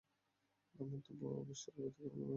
তার মন্তব্য অবশ্য পরবর্তীকালে আমলে নেওয়া হয়নি।